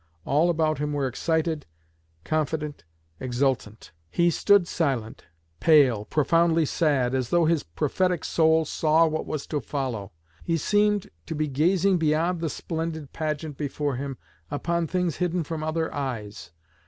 All about him were excited, confident, exultant. He stood silent, pale, profoundly sad, as though his prophetic soul saw what was to follow. He seemed to be gazing beyond the splendid pageant before him, upon things hidden from other eyes.